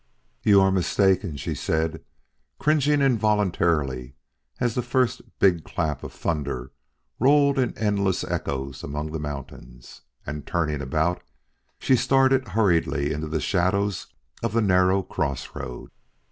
"You are mistaken," she said, cringing involuntarily as the first big clap of thunder rolled in endless echoes among the mountains. And turning about, she started hurriedly into the shadows of the narrow cross road.